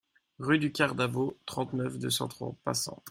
Rue du Quart d'Avaux, trente-neuf, deux cent trente Passenans